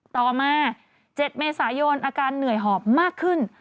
ต่อมา๗เมษายนอาการเหนื่อยหอบมากขึ้น